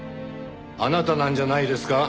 あなたなんじゃないですか？